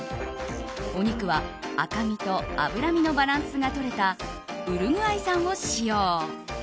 お肉は赤身と脂身のバランスが取れたウルグアイ産を使用。